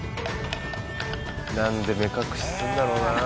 なんで目隠しするんだろうな。